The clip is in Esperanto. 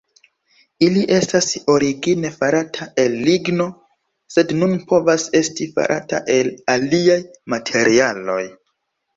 Ili estas origine farata el ligno, sed nun povas esti farata el aliaj materialoj.